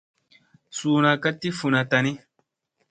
Suuna ka ti funa tani.